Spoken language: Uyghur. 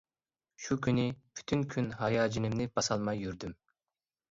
شۇ كۈنى پۈتۈن كۈن ھاياجىنىمنى باسالماي يۈردۈم.